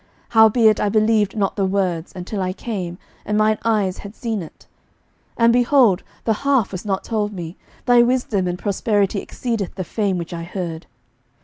11:010:007 Howbeit I believed not the words, until I came, and mine eyes had seen it: and, behold, the half was not told me: thy wisdom and prosperity exceedeth the fame which I heard.